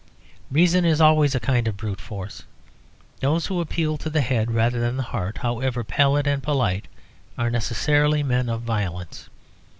Reason is always a kind of brute force; those who appeal to the head rather than the heart, however pallid and polite, are necessarily men of violence.